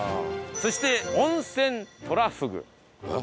そして温泉トラフグ。